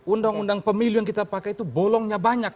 undang undang pemilu yang kita pakai itu bolongnya banyak